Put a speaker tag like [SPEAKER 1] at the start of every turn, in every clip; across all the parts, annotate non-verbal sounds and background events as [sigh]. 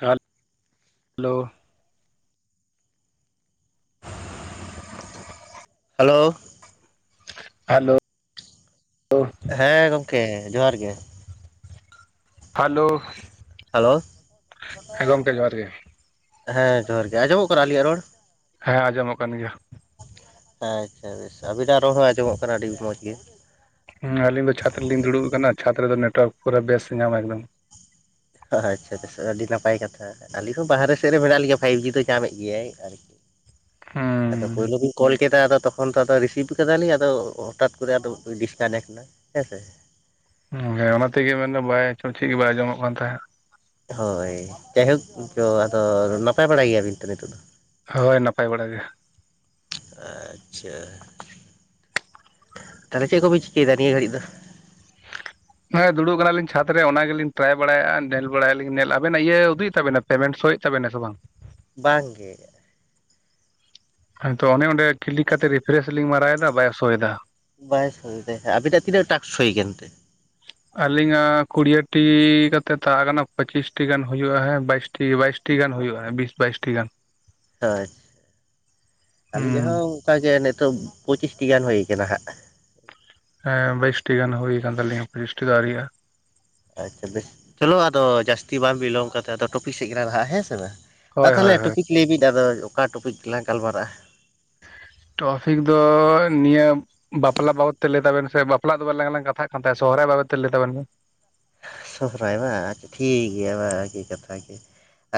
[SPEAKER 1] ᱦᱮᱞ ᱞᱳ
[SPEAKER 2] hello
[SPEAKER 1] hello hello
[SPEAKER 2] ᱦᱮᱸ ᱜᱚᱢᱠᱮ ᱡᱚᱦᱟᱨ ᱜᱮ
[SPEAKER 1] ᱦᱮᱞᱳ!
[SPEAKER 2] ᱦᱮᱞᱳ
[SPEAKER 1] ᱦᱮᱸ ᱜᱚᱢᱠᱮ ᱡᱚᱦᱟᱨ ᱜᱮ᱾
[SPEAKER 2] ᱦᱮᱸ ᱡᱚᱦᱟᱨ ᱜᱮ, ᱟᱸᱡᱚᱢᱚᱜ ᱠᱟᱱᱟ ᱟᱞᱤᱧᱟᱜ ᱨᱚᱲ?
[SPEAKER 1] ᱦᱮᱸ ᱟᱸᱡᱚᱢᱚᱜ ᱠᱟᱱ ᱜᱮᱭᱟ᱾
[SPEAKER 2] ᱟᱪᱪᱷᱟ ᱵᱮᱥ ᱟᱹᱵᱤᱱᱟᱜ ᱨᱚᱲ ᱦᱚᱸ ᱟᱸᱡᱚᱢᱚᱜ ᱠᱟᱱᱟ ᱟᱹᱰᱤ ᱢᱚᱡᱽ ᱜᱮ᱾
[SPEAKER 1] ᱦᱩᱸ ᱟᱞᱤᱧ ᱫᱚ ᱪᱷᱟᱛ ᱨᱮᱞᱤᱧ ᱫᱩᱲᱩᱵ ᱟᱠᱟᱱᱟ ᱪᱷᱟᱛ ᱨᱮᱫᱚ ᱱᱮᱴᱣᱟᱨᱠ ᱯᱩᱨᱟᱹ ᱵᱮᱥ ᱧᱟᱢᱟᱭ ᱮᱠᱫᱚᱢ᱾
[SPEAKER 2] ᱟᱪᱪᱷᱟ ᱟᱪᱷᱟ ᱟᱹᱰᱤ ᱱᱟᱯᱟᱭ ᱠᱟᱛᱷᱟ᱾ ᱟᱞᱤᱧ ᱦᱚᱸ ᱵᱟᱦᱟᱨᱮ ᱥᱮᱫ ᱨᱮ ᱢᱮᱱᱟᱜ ᱞᱤᱧᱟ ᱯᱷᱟᱭᱤᱵ ᱡᱤ ᱫᱚ ᱧᱟᱢᱮᱫ ᱜᱮᱭᱟᱭ ᱟᱨᱤ᱾
[SPEAKER 1] ᱦᱩᱸ
[SPEAKER 2] ᱦᱮᱸ ᱛᱚ ᱯᱳᱭᱞᱳ ᱵᱤᱱ ᱠᱚᱞ ᱠᱮᱫᱟ ᱟᱫᱚ ᱛᱚ ᱯᱷᱳᱱ ᱛᱚ ᱟᱫᱚ ᱨᱤᱥᱤᱵᱷ ᱠᱟᱫᱟᱞᱤᱧ ᱟᱫᱚ ᱦᱚᱴᱟᱛ ᱠᱚᱨᱮ ᱟᱫᱚ ᱰᱤᱥᱠᱟᱱᱮᱠᱴ ᱮᱱᱟ ᱦᱮᱸ ᱥᱮ᱾
[SPEAKER 1] ᱦᱮᱸ ᱚᱱᱟ ᱛᱮᱜᱮ ᱢᱮᱱᱫᱚ ᱵᱟᱭ ᱟᱪᱚ ᱪᱮᱫ ᱜᱤ ᱵᱟᱭ ᱟᱸᱡᱚᱢᱚᱜ ᱠᱟᱱ ᱛᱟᱦᱮᱸᱫ᱾
[SPEAKER 2] ᱦᱳᱭ ᱡᱟᱭᱦᱳᱠ [unintelligible] ᱟᱫᱚ ᱱᱟᱯᱟᱭ ᱵᱟᱲᱟ ᱜᱮᱭᱟᱵᱤᱱ ᱛᱚ ᱱᱤᱛᱚᱜ ᱫᱚ᱾
[SPEAKER 1] ᱦᱳᱭ ᱱᱟᱯᱟᱭ ᱵᱟᱲᱟ ᱜᱮ᱾
[SPEAKER 2] [inaudible] ᱟᱪᱪᱷᱟ᱾ ᱛᱟᱦᱚᱞᱮ ᱪᱮᱫ ᱠᱚᱯᱮ ᱪᱤᱠᱟᱹᱭᱮᱫᱟ ᱱᱤᱭᱟᱹ ᱜᱷᱟᱹᱲᱤᱡ ᱫᱚ?
[SPEAKER 1] ᱦᱮᱸ ᱫᱩᱲᱩᱵ ᱠᱟᱱᱟᱞᱤᱧ ᱪᱷᱟᱛ ᱨᱮ ᱚᱱᱟ ᱜᱮᱞᱤᱧ ᱴᱨᱟᱭ ᱵᱟᱲᱟᱭᱮᱜᱼᱟ ᱧᱮᱞ ᱵᱟᱲᱟᱭᱟ ᱞᱤᱧ ᱧᱮᱞ ᱟᱵᱮᱱᱟᱜ ᱤᱭᱟᱹ ᱩᱫᱩᱜᱮᱫ ᱛᱟᱵᱮᱱᱟ ᱯᱮᱢᱮᱱᱴ ᱥᱳᱭᱮᱫ ᱛᱟᱵᱮᱱᱟ ᱥᱮ ᱵᱟᱝ?
[SPEAKER 2] ᱵᱟᱝ ᱜᱮ᱾
[SPEAKER 1] ᱦᱮᱸ ᱛᱚ ᱚᱱᱮ ᱚᱸᱰᱮ ᱠᱤᱞᱤ ᱠᱟᱛᱮᱫ ᱨᱤᱯᱷᱨᱮᱥ ᱞᱤᱧ ᱢᱟᱨᱟᱣᱮᱫᱟ ᱵᱟᱭ ᱥᱳᱭᱮᱫᱟ᱾
[SPEAKER 2] ᱵᱟᱭ ᱥᱳᱭᱮᱫᱟᱭ ᱟᱵᱤᱱᱟᱜ ᱛᱤᱱᱟᱹᱜ ᱴᱟᱠᱥ ᱦᱩᱭ ᱠᱟᱱᱛᱮ?
[SPEAKER 1] ᱟᱹᱞᱤᱧᱟᱜ ᱠᱩᱲᱤᱭᱟᱹᱴᱤ ᱠᱟᱛᱮᱫ ᱛᱟᱦᱮᱸ ᱠᱟᱱᱟ ᱯᱚᱸᱪᱤᱥᱴᱤ ᱜᱟᱱ ᱦᱩᱭᱩᱜᱼᱟ ᱦᱮᱸ ᱵᱟᱭᱤᱥ ᱴᱷᱤᱠ ᱜᱮᱭᱟ ᱵᱟᱭᱤᱥᱴᱤ ᱜᱟᱱ ᱦᱩᱭᱩᱜᱼᱟ ᱵᱤᱥ ᱵᱟᱭᱤᱥᱴᱤ ᱜᱟᱱ᱾
[SPEAKER 2] ᱟᱪᱪᱷᱟ, ᱟᱹᱞᱤᱧ
[SPEAKER 1] ᱦᱩᱸ
[SPEAKER 2] ᱟᱜ ᱦᱚᱸ ᱚᱱᱠᱟ ᱜᱮ ᱱᱤᱛᱚᱜ ᱯᱚᱸᱪᱤᱥᱴᱤ ᱜᱟᱱ ᱦᱩᱭ ᱠᱟᱱᱟ ᱦᱟᱸᱜ᱾
[SPEAKER 1] ᱦᱮᱸ ᱵᱟᱭᱤᱥᱴᱤ ᱜᱟᱱ ᱦᱩᱭ ᱠᱟᱱ ᱛᱟᱞᱤᱧᱟ ᱯᱚᱸᱪᱤᱥᱴᱤ ᱫᱚ ᱟᱣᱨᱤᱭᱟᱜᱼᱟ᱾
[SPEAKER 2] ᱟᱪᱪᱷᱟ ᱵᱮᱥ ᱪᱚᱞᱚ ᱟᱫᱚ ᱡᱟᱹᱥᱛᱤ ᱵᱟᱝ ᱵᱤᱞᱚᱢ ᱠᱟᱛᱮ ᱟᱫᱚ ᱴᱚᱯᱤᱠ ᱥᱮᱫ ᱜᱮᱞᱟᱝ ᱞᱟᱦᱟᱜᱼᱟ ᱦᱮᱸ ᱥᱮ ᱵᱟᱝ᱾ ᱢᱟ
[SPEAKER 1] ᱦᱳᱭ ᱦᱳᱭ
[SPEAKER 2] ᱛᱟᱦᱚᱞᱮ
[SPEAKER 1] ᱦᱳᱭ
[SPEAKER 2] ᱴᱚᱯᱤᱠ ᱞᱟᱹᱭ ᱵᱤᱱ ᱟᱫᱚ ᱚᱠᱟ ᱴᱚᱯᱤᱠ ᱛᱮᱞᱟᱝ ᱜᱟᱞᱢᱟᱨᱟᱜᱼᱟ?
[SPEAKER 1] ᱴᱚᱯᱷᱤᱠ ᱫᱚ ᱱᱤᱭᱟᱹᱢ᱾ ᱵᱟᱯᱞᱟ ᱵᱟᱵᱚᱫ ᱛᱮ ᱞᱟᱹᱭ ᱛᱟᱵᱮᱱ ᱥᱮ ᱵᱟᱯᱞᱟ ᱫᱚᱞᱟᱝ ᱞᱟᱝ ᱠᱟᱛᱷᱟᱜ ᱠᱟᱱ ᱛᱟᱦᱮᱸ ᱥᱚᱦᱚᱨᱟᱭ ᱵᱟᱵᱚᱫ ᱛᱮ ᱞᱟᱹᱭ ᱛᱟᱵᱚᱱ ᱢᱮ᱾
[SPEAKER 2] ᱥᱚᱦᱚᱨᱟᱭ ᱵᱟᱝ ᱟᱪᱪᱷᱟ ᱴᱷᱤᱠ ᱜᱮᱭᱟ ᱵᱟᱝ ᱟᱨᱠᱤ ᱠᱟᱛᱷᱟ ᱠᱤ᱾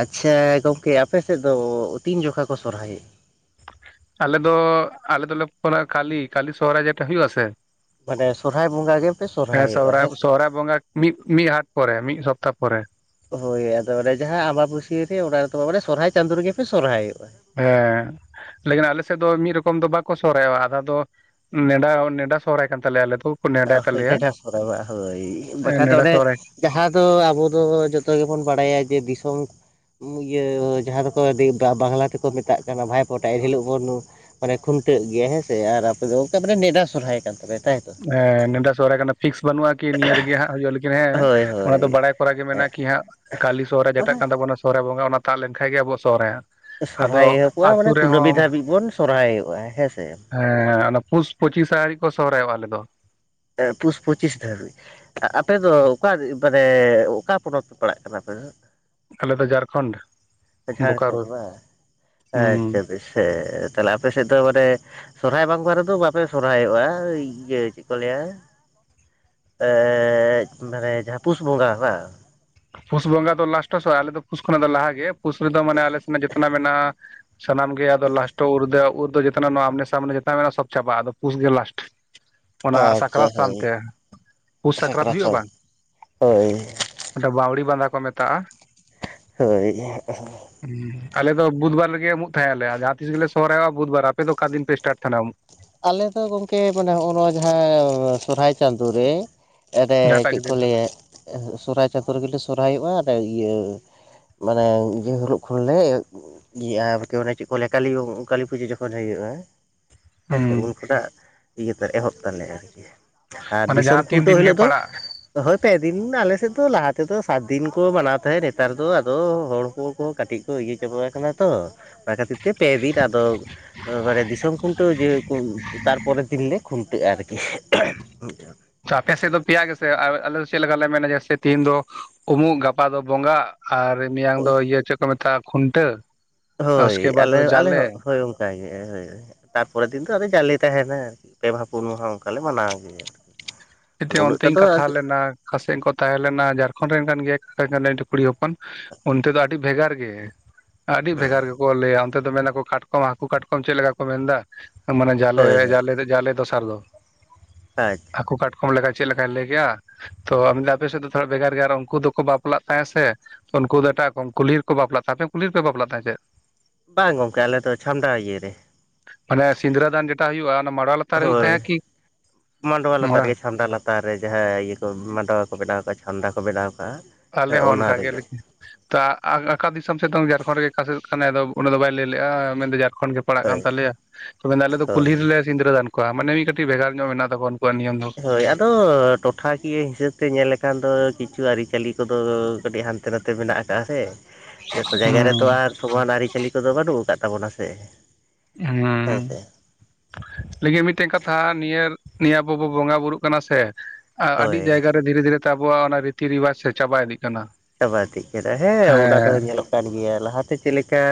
[SPEAKER 2] ᱟᱪᱪᱷᱟ ᱜᱚᱢᱠᱮ ᱟᱯᱮ ᱥᱮᱫ ᱫᱚ ᱛᱤᱱ ᱡᱚᱠᱷᱟ ᱠᱚ ᱥᱚᱨᱦᱟᱭ
[SPEAKER 1] ᱟᱞᱮ ᱫᱚ ᱟᱞᱮ ᱫᱚᱞᱮ ᱠᱚᱨᱟᱣᱟ ᱠᱟᱞᱤ ᱠᱟᱞᱤ ᱥᱚᱦᱚᱨᱟᱭ ᱡᱮᱴᱟ ᱦᱩᱭᱩᱜᱼᱟ ᱥᱮ᱾
[SPEAKER 2] ᱢᱟᱱᱮ ᱥᱚᱨᱦᱟᱭ ᱵᱚᱸᱜᱟ ᱜᱮᱯᱮ ᱥᱚᱨᱦᱟᱭᱚᱜᱼᱟ
[SPEAKER 1] ᱥᱚᱦᱨᱟᱭ
[SPEAKER 2] ᱦᱮᱸᱥᱮ᱾
[SPEAKER 1] ᱥᱚᱦᱨᱟᱭ ᱵᱚᱸᱜᱟ ᱢᱤᱫ ᱢᱤᱫ ᱦᱟᱴ ᱯᱚᱨᱮ ᱢᱤᱫ ᱥᱚᱯᱛᱟ ᱯᱚᱨᱮ᱾
[SPEAKER 2] ᱦᱳᱭ ᱟᱫᱚ ᱚᱱᱮ ᱡᱟᱦᱟᱸ ᱟᱢᱵᱟᱵᱩᱥᱭᱟᱹ ᱨᱮ ᱚᱱᱟ ᱨᱮᱫᱚ ᱵᱟᱝ ᱢᱟᱱᱮ ᱥᱚᱨᱦᱟᱭ ᱪᱟᱸᱫᱳ ᱨᱮᱜᱮ ᱯᱮ ᱥᱚᱨᱦᱟᱭᱚᱜᱼᱟ᱾
[SPEAKER 1] ᱦᱮᱸ, ᱞᱮᱠᱤᱱ ᱟᱞᱮ ᱥᱮᱫ ᱫᱚ ᱢᱤᱫ ᱨᱚᱠᱚᱢ ᱫᱚ ᱵᱟᱠᱚ ᱥᱚᱨᱦᱟᱭᱚᱜᱼᱟ ᱟᱫᱷᱟ ᱫᱚ ᱱᱮᱸᱰᱟᱣ ᱱᱮᱸᱰᱟ ᱥᱚᱦᱚᱨᱟᱭ ᱠᱟᱱ ᱛᱟᱞᱮᱭᱟ ᱟᱞᱮ [unintelligible]
[SPEAKER 2] [unintelligible]
[SPEAKER 1] ᱛᱟᱞᱮᱭᱟ
[SPEAKER 2] ᱴᱮᱴᱟᱥ ᱠᱳ ᱫᱚᱢ ᱵᱟᱝ ᱦᱳᱭ ᱵᱟᱠᱷᱟᱡ ᱫᱚ
[SPEAKER 1] ᱱᱮᱰᱟ
[SPEAKER 2] ᱚᱱᱮ
[SPEAKER 1] ᱥᱚᱦᱨᱟᱭ
[SPEAKER 2] [inaudible] ᱡᱟᱦᱟᱸ ᱫᱚ ᱟᱵᱚ ᱫᱚ ᱡᱚᱛᱚ ᱜᱮᱵᱚᱱ ᱵᱟᱲᱟᱭᱟ ᱡᱮ ᱫᱤᱥᱚᱢ ᱤᱭᱟᱹ ᱡᱟᱦᱟᱸ ᱫᱚᱠᱚ [unintelligible] ᱵᱟᱝᱞᱟ ᱛᱮᱠᱚ ᱢᱮᱛᱟᱜ ᱠᱟᱱᱟ ᱵᱷᱟᱭ ᱯᱳᱴᱟ ᱮᱱᱦᱤᱞᱳᱜ ᱵᱚᱱ ᱾ ᱢᱟᱱᱮ ᱠᱷᱩᱱᱴᱟᱹᱜ ᱜᱮᱭᱟ ᱦᱮᱸᱥᱮ ᱟᱨ ᱟᱯᱮ ᱫᱚ, ᱚᱱᱠᱟ ᱢᱟᱱᱮ ᱱᱤᱭᱟᱹ ᱫᱷᱟᱣ ᱥᱚᱨᱦᱟᱭ ᱠᱟᱱ ᱛᱟᱯᱮᱭᱟ ᱛᱟᱭᱛᱚ?
[SPEAKER 1] [unintelligible] ᱱᱮᱸᱰᱟ ᱥᱚᱨᱦᱟᱭ ᱠᱟᱱᱟ ᱯᱷᱤᱠᱥ ᱵᱟᱹᱱᱩᱜᱼᱟ ᱠᱤ ᱱᱤᱭᱟᱹ ᱨᱮᱜᱮ ᱦᱟᱸᱜ ᱦᱩᱭᱩᱜ [unintelligible] ᱦᱮᱸ
[SPEAKER 2] ᱦᱳᱭ
[SPEAKER 1] ᱚᱱᱟ
[SPEAKER 2] ᱦᱳᱭ
[SPEAKER 1] ᱫᱚ ᱵᱟᱲᱟᱭ ᱠᱚᱨᱟ ᱜᱮ ᱢᱮᱱᱟᱜᱼᱟ ᱠᱤ [unintelligible] ᱠᱟᱹᱞᱤ ᱥᱚᱦᱚᱨᱟᱭ ᱡᱮᱴᱟᱜ
[SPEAKER 2] ᱢᱟᱱᱮ
[SPEAKER 1] ᱠᱟᱱ ᱛᱟᱵᱚᱱᱟ᱾ ᱥᱚᱦᱚᱨᱟᱭ ᱵᱚᱸᱜᱟ ᱚᱱᱟ ᱛᱟᱜ ᱞᱮᱱ ᱠᱷᱟᱡ ᱜᱮ ᱟᱵᱚᱣᱟᱜ ᱥᱚᱦᱚᱨᱟᱭ ᱦᱟᱸᱜ᱾
[SPEAKER 2] ᱥᱚᱨᱦᱟᱭ ᱮᱦᱚᱵᱚᱜᱼᱟ ᱢᱟᱱᱮ ᱠᱩᱱᱟᱹᱢᱤ ᱫᱷᱟᱹᱵᱤᱡ ᱵᱚᱱ ᱥᱚᱨᱦᱟᱭᱚᱜᱼᱟ ᱦᱮᱸᱥᱮ᱾
[SPEAKER 1] ᱦᱮᱸ ᱚᱱᱟ ᱯᱷᱩᱥ ᱯᱚᱸᱪᱤᱥ ᱟᱹᱱᱤᱡ ᱠᱚ ᱥᱚᱦᱚᱨᱟᱭᱚᱜᱼᱟ ᱟᱞᱮ ᱫᱚ᱾
[SPEAKER 2] ᱦᱮᱸ ᱯᱩᱥ ᱯᱚᱸᱪᱤᱥ ᱫᱷᱟᱹᱵᱤᱡ᱾ ᱟᱯᱮ ᱫᱚ ᱚᱠᱟ ᱢᱟᱱᱮ ᱚᱠᱟ ᱯᱚᱱᱚᱛ ᱯᱮ ᱯᱟᱲᱟᱜ ᱠᱟᱱᱟ ᱟᱯᱮ ᱫᱚ?
[SPEAKER 1] ᱟᱞᱮ ᱫᱚ ᱡᱷᱟᱲᱠᱷᱚᱸᱰ
[SPEAKER 2] ᱡᱷᱟᱲᱠᱷᱚᱸᱰ
[SPEAKER 1] ᱵᱳᱠᱟᱨᱳ
[SPEAKER 2] ᱵᱟᱝ
[SPEAKER 1] ᱦᱩᱸ
[SPEAKER 2] ᱟᱪᱪᱷᱟ ᱵᱮᱥ ᱦᱮᱸ ᱛᱟᱦᱚᱞᱮ ᱟᱯᱮ ᱥᱮᱫ ᱫᱚ ᱢᱟᱱᱮ ᱥᱚᱨᱦᱟᱭ ᱵᱚᱸᱜᱟ ᱨᱮᱫᱚ ᱵᱟᱯᱮ ᱥᱚᱨᱦᱟᱭᱚᱜᱼᱟ ᱤᱭᱟᱹ ᱪᱮᱫ ᱠᱚ ᱞᱟᱹᱭᱟ [unintelligible] ᱢᱟᱱᱮ ᱡᱟᱦᱟᱸ ᱯᱩᱥ ᱵᱚᱸᱜᱟ ᱵᱟᱝ
[SPEAKER 1] ᱯᱩᱥ ᱵᱚᱸᱜᱟ ᱫᱚ ᱞᱟᱥᱴᱚ ᱥᱮᱫ ᱟᱞᱮ ᱫᱚ ᱯᱩᱥ ᱠᱷᱚᱱᱟᱜ ᱫᱚ ᱞᱟᱦᱟ ᱜᱮ ᱯᱩᱥ ᱨᱮᱫᱚ ᱢᱟᱱᱮ ᱟᱞᱮ ᱥᱮᱱᱟᱜ ᱡᱚᱛᱚᱱᱟᱜ ᱢᱮᱱᱟᱜᱼᱟ ᱥᱟᱱᱟᱢ ᱜᱮ ᱟᱫᱚ ᱞᱟᱥᱴᱚ ᱩᱨᱫᱚ ᱩᱨᱫᱚ ᱡᱚᱛᱚᱱᱟᱜ ᱱᱚᱣᱟ ᱟᱢᱱᱮ ᱥᱟᱢᱱᱮ ᱡᱚᱛᱚ ᱢᱮᱱᱟᱜᱼᱟ ᱥᱚᱵ ᱪᱟᱵᱟᱜᱼᱟ ᱟᱫᱚ ᱯᱩᱥ ᱜᱮ ᱞᱟᱥᱴ ᱚᱱᱟ
[SPEAKER 2] ᱟᱪᱪᱷᱟ
[SPEAKER 1] ᱥᱟᱠᱨᱟᱛ
[SPEAKER 2] ᱦᱳᱭ
[SPEAKER 1] ᱥᱟᱣᱛᱮ ᱯᱩᱥ ᱥᱟᱠᱨᱟᱛ ᱦᱩᱭᱩᱜᱼᱟ ᱵᱟᱝ
[SPEAKER 2] ᱦᱳᱭ
[SPEAKER 1] [unintelligible] ᱵᱟᱹᱣᱲᱤ ᱵᱟᱸᱫᱷᱟ ᱠᱚ ᱢᱮᱛᱟᱜᱼᱟ
[SPEAKER 2] ᱦᱳᱭ [unintelligible]
[SPEAKER 1] [unintelligible] ᱟᱞᱮ ᱫᱚ ᱵᱩᱫᱽᱵᱟᱨ ᱨᱮᱜᱮ ᱩᱢᱩᱜ ᱛᱟᱦᱮᱸ ᱟᱞᱮ ᱡᱟᱦᱟᱸ ᱛᱤᱥ ᱜᱮᱞᱮ ᱥᱚᱨᱦᱟᱭᱚᱜᱼᱟ ᱵᱩᱫᱽᱵᱟᱨ ᱟᱯᱮ ᱫᱚ ᱚᱠᱟ ᱫᱤᱱ ᱯᱮ ᱥᱴᱟᱴ ᱛᱟᱦᱮᱱᱟ ᱩᱢᱩᱜ
[SPEAKER 2] ᱟᱞᱮᱫᱚ ᱜᱚᱢᱠᱮ ᱢᱟᱱᱮ ᱦᱚᱜᱼᱚᱸᱭ ᱱᱚᱣᱟ ᱡᱟᱦᱟᱸ ᱥᱚᱨᱦᱟᱭ ᱪᱟᱸᱫᱳ ᱨᱮ [unintelligible]
[SPEAKER 1] ᱡᱟᱦᱟᱸᱴᱟᱜ
[SPEAKER 2] ᱪᱮᱫ
[SPEAKER 1] ᱜᱮ
[SPEAKER 2] ᱠᱚ
[SPEAKER 1] ᱫᱤᱱ
[SPEAKER 2] ᱞᱟᱹᱭᱟ [unintelligible] ᱥᱚᱨᱦᱟᱭ ᱪᱟᱸᱫᱳ ᱨᱮ ᱜᱮᱞᱮ ᱥᱚᱨᱦᱟᱭᱚᱜᱼᱟ ᱤᱭᱟᱹ ᱢᱟᱱᱮ ᱤᱭᱟᱹ ᱦᱩᱞᱩᱜ ᱠᱷᱚᱱ ᱞᱮ ᱮᱦᱚᱵ ᱠᱮᱫᱼᱟ ᱤᱭᱟᱹ ᱟᱨᱠᱤ ᱤᱭᱟᱹ ᱪᱮᱫ ᱠᱚ ᱞᱟᱹᱭᱟ ᱠᱟᱹᱞᱤᱯᱩᱡᱟᱹ ᱡᱚᱠᱷᱚᱱ ᱦᱩᱭᱩᱜᱼᱟ ᱦᱮᱸ ᱥᱮ
[SPEAKER 1] ᱦᱩᱸ
[SPEAKER 2] ᱩᱱᱠᱷᱚᱱᱟᱜ ᱤᱭᱟᱹᱛᱮ ᱮᱦᱚᱵ ᱛᱟᱞᱮ ᱟᱨᱠᱤ ᱟᱨ
[SPEAKER 1] ᱢᱟᱱᱮ
[SPEAKER 2] ᱫᱤᱥᱚᱢ
[SPEAKER 1] ᱡᱟᱦᱟᱸ ᱛᱤᱱ
[SPEAKER 2] ᱠᱷᱩᱱᱴᱟᱹᱣ
[SPEAKER 1] ᱫᱤᱱ ᱜᱮ
[SPEAKER 2] ᱦᱤᱞᱳᱜ ᱫᱚ
[SPEAKER 1] ᱯᱟᱲᱟᱜ
[SPEAKER 2] ᱦᱳᱭ ᱯᱮᱫᱤᱱ ᱟᱞᱮᱥᱮᱫ ᱫᱚ ᱞᱟᱦᱟ ᱛᱮᱫᱚ ᱥᱟᱛ ᱫᱤᱱ ᱠᱚ ᱢᱟᱱᱟᱣ ᱛᱟᱦᱮᱸᱫ ᱱᱮᱛᱟᱨ ᱫᱚ ᱟᱫᱚ ᱦᱚᱲ ᱠᱚ ᱠᱚᱦᱚᱸ ᱠᱟᱹᱴᱤᱡ ᱛᱚ ᱤᱭᱟᱹ ᱪᱟᱵᱟ ᱠᱟᱱᱟ ᱛᱚ ᱚᱱᱟ ᱠᱷᱟᱹᱛᱤᱨ ᱛᱮ ᱯᱮ ᱫᱤᱱ ᱟᱫᱚ ᱢᱟᱱᱮ ᱫᱤᱥᱚᱢ ᱠᱷᱩᱱᱴᱟᱹᱣ ᱡᱮ ᱠᱚ ᱛᱟᱨᱯᱚᱨᱮᱨ ᱫᱤᱱ ᱞᱮ ᱠᱷᱩᱼᱼ ᱱᱤᱛᱚᱜ ᱟᱨᱠᱤ [unintelligible]
[SPEAKER 1] ᱟᱯᱮ ᱥᱮᱫ ᱫᱚ ᱯᱮᱭᱟ ᱜᱮᱥᱮ [unintelligible] ᱟᱞᱮ ᱪᱮᱫ ᱞᱮᱠᱟᱞᱮ ᱢᱮᱱᱟ ᱡᱮᱭᱥᱮ ᱛᱤᱦᱤᱱ ᱫᱚ ᱩᱢᱩᱜ ᱜᱟᱯᱟ ᱫᱚ ᱵᱚᱸᱜᱟ ᱟᱨ ᱢᱮᱭᱟᱝ ᱫᱚ ᱤᱭᱟᱹ ᱪᱮᱫ ᱠᱚ ᱢᱮᱛᱟᱜᱼᱟ ᱠᱷᱩᱱᱴᱟᱹᱣ
[SPEAKER 2] ᱦᱳᱭ
[SPEAKER 1] ᱩᱥᱠᱮ ᱵᱟᱫ
[SPEAKER 2] ᱟᱞᱮ
[SPEAKER 1] ᱫᱚ
[SPEAKER 2] ᱟᱞᱮ
[SPEAKER 1] ᱡᱟᱞᱮ
[SPEAKER 2] ᱦᱚᱸ [unintelligible] ᱚᱱᱠᱟᱜᱮ [unintelligible] ᱦᱳᱭ ᱛᱟᱨᱯᱚᱨᱮᱨ ᱫᱤᱱ ᱫᱚ ᱟᱫᱚ ᱡᱟᱞᱮ ᱛᱟᱦᱮᱱᱟ ᱟᱨᱠᱤ ᱯᱮ ᱢᱟᱦᱟᱸ ᱯᱩᱱ ᱢᱟᱦᱟᱸ ᱚᱱᱠᱟᱞᱮ ᱢᱟᱱᱟᱣ ᱜᱮᱭᱟ
[SPEAKER 1] [unintelligible]
[SPEAKER 2] ᱩᱱᱟᱹᱜᱴᱟ
[SPEAKER 1] ᱚᱱᱛᱮᱧ
[SPEAKER 2] ᱫᱚ
[SPEAKER 1] ᱠᱟᱛᱷᱟ
[SPEAKER 2] ᱟᱨᱠᱤ
[SPEAKER 1] ᱞᱮᱱᱟ ᱚᱠᱟ ᱥᱮᱫ ᱠᱚ ᱛᱟᱦᱮᱸ ᱞᱮᱱᱟ ᱡᱷᱟᱲᱠᱷᱚᱸᱰ ᱨᱮᱱ ᱠᱟᱱ ᱜᱮᱭᱟ [unintelligible] ᱠᱩᱲᱤ ᱦᱚᱯᱚᱱ ᱚᱱᱛᱮ ᱫᱚ ᱟᱹᱰᱤ ᱵᱷᱮᱜᱟᱨ ᱜᱮ ᱟᱹᱰᱤ ᱵᱷᱮᱜᱟᱨ [unintelligible] ᱞᱟᱹᱭᱟ ᱚᱱᱛᱮ ᱫᱚ ᱢᱮᱱᱟ ᱠᱚ ᱠᱟᱴᱠᱚᱢ ᱦᱟᱹᱠᱩ ᱠᱟᱴᱠᱚᱢ ᱪᱮᱫ ᱞᱮᱠᱟ ᱠᱚ ᱢᱮᱱᱫᱟ ᱢᱟᱱᱮ ᱡᱟᱞᱮ
[SPEAKER 2] ᱦᱳᱭ ᱦᱳᱭ
[SPEAKER 1] ᱡᱟᱞᱮ ᱡᱟᱞᱮ ᱫᱚᱥᱟᱨ ᱫᱚ
[SPEAKER 2] ᱟᱪᱷᱟᱼᱼ
[SPEAKER 1] ᱦᱟᱹᱠᱩ ᱠᱟᱴᱠᱚᱢ ᱞᱮ ᱞᱮᱠᱟᱡ ᱪᱮᱫ ᱞᱮᱠᱟᱭ ᱞᱟᱹᱭ ᱠᱮᱭᱟ ᱛᱚ ᱢᱮᱱ ᱟᱯᱮ ᱥᱮᱫ ᱫᱚ ᱛᱷᱚᱲᱟ ᱵᱷᱮᱜᱟᱨ ᱜᱮᱭᱟ ᱟᱨ ᱩᱱᱠᱩ ᱫᱚᱠᱚ ᱵᱟᱯᱞᱟᱜ ᱛᱟᱦᱮᱸᱟ ᱥᱮ ᱩᱱᱠᱩ ᱫᱚ ᱮᱴᱟᱜ ᱠᱚ ᱠᱩᱞᱦᱤ ᱨᱮᱠᱚ ᱵᱟᱯᱞᱟᱜ ᱛᱟᱦᱮ ᱟᱯᱮ ᱦᱚᱸ ᱠᱩᱞᱦᱤ ᱨᱮᱯᱮ ᱵᱟᱯᱞᱟᱜ ᱛᱟᱦᱮᱸ ᱪᱮᱫ
[SPEAKER 2] ᱵᱟᱝ ᱜᱚᱢᱠᱮ ᱟᱞᱮ ᱫᱚ ᱪᱷᱟᱢᱰᱟ ᱤᱭᱟᱹ ᱨᱮ
[SPEAKER 1] ᱢᱟᱱᱮ ᱥᱤᱸᱽᱨᱟᱹᱫᱟᱱ ᱡᱮᱴᱟ ᱦᱩᱭᱩᱜᱳᱜᱼᱟ ᱚᱱᱟ ᱢᱟᱰᱣᱟ ᱞᱟᱛᱟᱨᱮ ᱦᱩᱭᱩᱜ ᱛᱟᱦᱮᱸᱜᱼᱟ
[SPEAKER 2] ᱦᱳᱭ
[SPEAKER 1] ᱠᱤ
[SPEAKER 2] ᱢᱟᱰᱣᱟ ᱞᱟᱛᱟᱨ
[SPEAKER 1] ᱢᱚᱲᱟ
[SPEAKER 2] ᱨᱮᱜᱮ ᱪᱷᱟᱢᱰᱟ ᱞᱟᱛᱟᱨ ᱨᱮ ᱡᱟᱦᱟᱸ ᱤᱭᱟᱹ ᱠᱚ ᱢᱟᱰᱣᱟ ᱠᱚ ᱵᱮᱱᱟᱣ ᱠᱟᱜᱼᱟ ᱪᱷᱟᱢᱰᱟ ᱠᱚ ᱵᱮᱱᱟᱣ ᱠᱟᱜᱼᱟ
[SPEAKER 1] ᱟᱞᱮ
[SPEAKER 2] ᱦᱮᱸ
[SPEAKER 1] ᱦᱚᱸ
[SPEAKER 2] ᱚᱱᱟ
[SPEAKER 1] ᱚᱱᱠᱟ ᱜᱮ
[SPEAKER 2] ᱨᱮᱜᱮ
[SPEAKER 1] ᱞᱮᱼᱼ ᱛᱟ ᱟᱠᱟ ᱫᱤᱥᱚᱢ ᱥᱮᱫ ᱫᱚ ᱡᱷᱟᱲᱠᱷᱚᱸᱰ ᱜᱮ ᱚᱠᱟᱥᱮᱫ ᱠᱟᱱᱟᱭᱫᱚ ᱩᱱᱤ ᱫᱚ ᱵᱟᱭ ᱞᱟᱹᱭ ᱞᱮᱫᱼᱟ ᱢᱮᱱᱫᱚ ᱡᱷᱟᱲᱠᱷᱚᱸᱰ ᱜᱮ ᱯᱟᱲᱟᱜ
[SPEAKER 2] ᱦᱳᱭ
[SPEAKER 1] ᱠᱟᱱ ᱛᱟᱞᱮᱭᱟ ᱛᱚᱵᱮ ᱟᱞᱮ ᱫᱚ ᱠᱩᱞᱦᱤ
[SPEAKER 2] ᱦᱳᱭ
[SPEAKER 1] ᱨᱮᱞᱮ ᱥᱤᱸᱤᱫᱨᱟᱹ ᱫᱟᱱ ᱠᱚᱣᱟ ᱢᱟᱱᱮ ᱢᱤᱫ ᱠᱟᱹᱴᱤᱡ ᱵᱷᱮᱜᱟᱨ ᱧᱚᱜ ᱢᱮᱱᱟᱜ ᱛᱟᱠᱚᱣᱟ ᱩᱱᱠᱩᱣᱟᱜ ᱱᱤᱭᱚᱢ ᱫᱚ
[SPEAKER 2] ᱦᱳᱭ ᱟ ᱛᱚ ᱴᱚᱴᱷᱟ ᱠᱤᱭᱟᱹ ᱦᱤᱥᱟᱹᱵ ᱛᱮ ᱧᱮᱞ ᱞᱮᱠᱷᱟᱱ ᱫᱚ ᱠᱤᱪᱷᱩ ᱟᱹᱨᱤᱪᱟᱹᱞᱤ ᱠᱚᱫᱚ ᱠᱟᱹᱴᱤᱡ ᱦᱟᱱᱛᱮ ᱱᱟᱛᱮᱼᱼ ᱛᱮ ᱢᱮᱱᱟᱜ ᱟᱠᱟᱜ-ᱟ ᱥᱮ ᱡᱚᱛᱚ ᱡᱟᱭᱜᱟ
[SPEAKER 1] ᱦᱩᱸ
[SPEAKER 2] ᱨᱮᱛᱚ ᱟᱨ ᱥᱚᱢᱟᱱ ᱟᱹᱨᱤᱪᱟᱹᱞᱤ ᱠᱚᱫᱚ ᱵᱟᱹᱱᱩᱜ ᱠᱟᱜ ᱛᱟᱵᱚᱱᱟ ᱥᱮ
[SPEAKER 1] ᱦᱮᱸ ᱞᱤᱜᱤᱱ ᱢᱤᱫᱴᱮᱱ ᱠᱟᱛᱷᱟ ᱱᱤᱭᱟᱹ ᱱᱤᱭᱟᱹ ᱟᱵᱚ ᱵᱚ ᱵᱚᱸᱜᱟ ᱵᱩᱨᱩᱜ ᱠᱟᱱᱟ ᱥᱮ ᱟᱹᱰᱤ
[SPEAKER 2] ᱦᱳᱭ
[SPEAKER 1] ᱡᱟᱭᱜᱟ ᱨᱮ ᱫᱷᱤᱨᱮ ᱫᱷᱤᱨᱮ ᱛᱮ ᱟᱵᱚᱣᱟᱜ ᱚᱱᱟ ᱨᱤᱛᱤ ᱨᱮᱤᱣᱟᱡᱽ ᱥᱮ ᱪᱟᱵᱟ ᱤᱫᱤᱜ ᱠᱟᱱᱟ
[SPEAKER 2] ᱪᱟᱵᱟ ᱤᱫᱤᱜ ᱠᱟᱱᱟ ᱦᱮᱸ ᱚᱱᱟ ᱫᱚ ᱧᱮᱞᱚᱜ ᱠᱟᱱ ᱜᱮᱭᱟ ᱞᱟᱦᱟᱛᱮ ᱪᱮᱫ ᱞᱮᱠᱟ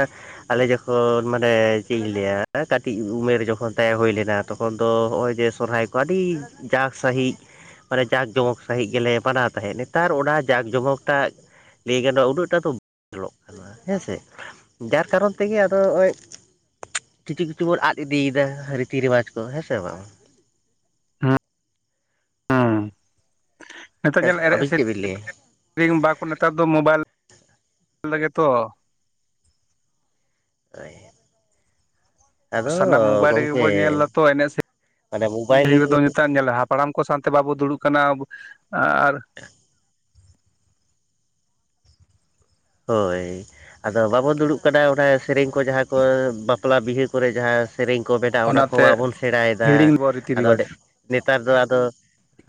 [SPEAKER 2] ᱟᱞᱮ ᱡᱚᱠᱷᱚᱱ ᱢᱟᱱᱮ ᱪᱮᱫ ᱤᱧ ᱞᱟᱹᱭᱟ ᱠᱟᱹᱴᱤᱡ ᱩᱢᱮᱨ ᱡᱚᱠᱷᱚᱱ ᱛᱟᱦᱮᱸ ᱦᱩᱭ ᱞᱮᱱᱟ ᱛᱚᱠᱷᱚᱱ ᱫᱚ ᱦᱚᱜᱼᱚᱭ ᱡᱮ ᱥᱚᱨᱦᱟᱭ ᱠᱚ ᱟᱹᱰᱤ ᱡᱟᱠ ᱥᱟᱺᱦᱤᱡ ᱢᱟᱱᱮ ᱡᱟᱸᱠ ᱡᱚᱢᱚᱠ ᱥᱟᱹᱦᱤᱡ ᱜᱮᱞᱮ ᱢᱟᱱᱟᱣ ᱛᱟᱦᱮᱸᱫ ᱱᱮᱛᱟᱨ ᱚᱱᱟ ᱡᱟᱸᱠ ᱡᱚᱢᱚᱠ ᱴᱟᱜ ᱞᱟᱹᱭ ᱜᱟᱱᱚᱜᱼᱟ ᱩᱱᱟᱹᱜᱴᱟᱜ ᱫᱚ ᱵᱟᱝ ᱧᱮᱞᱚᱜ ᱠᱟᱱᱟ ᱦᱮᱸᱥᱮ ᱡᱟᱨ ᱠᱟᱨᱚᱱ ᱛᱮᱜᱮ ᱟᱫᱚ ᱱᱚᱜᱼᱚᱭ ᱠᱤᱪᱷᱩ ᱠᱤᱪᱷᱩ ᱵᱚᱱ ᱟᱫ ᱤᱫᱤᱭᱮᱫᱟ ᱨᱤᱛᱤ ᱨᱮᱣᱟᱡᱽ ᱠᱚ ᱦᱮᱸᱥᱮ ᱵᱟᱝ
[SPEAKER 1] ᱦᱚᱸ ᱱᱤᱛᱚᱜ ᱧᱮᱞ ᱮᱱᱮᱡ
[SPEAKER 2] ᱟᱹᱵᱤᱱ ᱪᱮᱫ
[SPEAKER 1] ᱥᱮᱨᱮᱧ
[SPEAKER 2] ᱵᱤᱱ ᱞᱟᱹᱭᱟ
[SPEAKER 1] ᱠᱤᱨᱤᱧ ᱵᱟᱠᱚ ᱱᱮᱛᱟᱨ ᱫᱚ ᱢᱳᱵᱟᱭᱤᱞ ᱨᱮᱜᱮ ᱛᱚ
[SPEAKER 2] ᱳᱭ
[SPEAKER 1] ᱥᱟᱱᱟᱢ ᱢᱳᱵᱟᱭᱤᱞ ᱨᱮᱜᱮ ᱵᱚᱱ ᱧᱮᱞ ᱫᱟᱛᱚ ᱮᱱᱮᱡ
[SPEAKER 2] ᱢᱟᱱᱮ ᱢᱳᱵᱟᱭᱤᱞ
[SPEAKER 1] ᱥᱮᱨᱮᱧ ᱨᱮᱫᱚ ᱱᱮᱛᱟᱨ ᱧᱮᱞᱟ ᱦᱟᱯ ᱦᱟᱲᱟᱢ ᱠᱚ ᱥᱟᱶᱛᱮ ᱵᱟᱵᱚ ᱫᱩᱲᱩᱵ ᱠᱟᱱᱟ ᱟᱨ
[SPEAKER 2] [unintelligible] ᱦᱳᱭ ᱟᱫᱚ ᱵᱟᱵᱚᱱ ᱫᱩᱲᱩᱵ ᱠᱟᱱᱟ ᱚᱱᱟ ᱥᱮᱨᱮᱧ ᱠᱚ ᱡᱟᱦᱟᱸ ᱠᱚ ᱵᱟᱯᱞᱟ ᱵᱤᱦᱟᱹ ᱠᱚᱨᱮ ᱡᱟᱦᱟᱸ ᱥᱮᱨᱮᱧ ᱠᱚ ᱢᱮᱱᱟᱜ ᱟ ᱚᱱᱟ ᱠᱚ
[SPEAKER 1] ᱚᱱᱟᱛᱮ
[SPEAKER 2] ᱵᱟᱵᱚᱱ ᱥᱮᱬᱟᱭᱮᱫᱟ
[SPEAKER 1] ᱦᱤᱲᱤᱧ ᱵᱚ ᱨᱤᱛᱤ
[SPEAKER 2] ᱟᱫᱚ
[SPEAKER 1] ᱨᱮᱣᱟᱡᱽ
[SPEAKER 2] ᱱᱮᱛᱟᱨ ᱫᱚ ᱟᱫᱚ